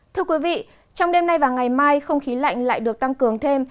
thưa quý vị trong đêm nay và ngày mai không khí lạnh lại được tăng cường thêm